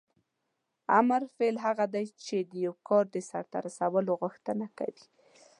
امر فعل هغه دی چې د یو کار د سرته رسولو غوښتنه کوي.